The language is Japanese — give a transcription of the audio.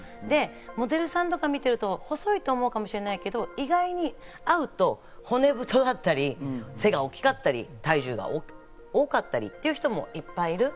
モデルさんとか見てると、細いと思うかもしれないけど、意外に会うと骨太だったり、背が大きかったり体重が多かったりっていう人もいっぱいいる。